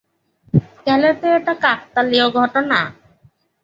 তাহলে তো এটা কাকতালীয় ঘটনা।